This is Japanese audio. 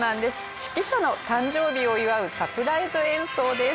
指揮者の誕生日を祝うサプライズ演奏です。